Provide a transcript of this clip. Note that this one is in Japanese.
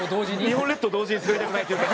日本列島同時にスベりたくないというか。